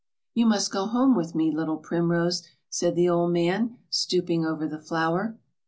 "You must go home with me, little primrose," said the old man, stooping over the flower.